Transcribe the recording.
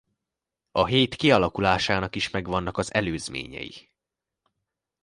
A hét kialakulásának is megvannak az előzményei.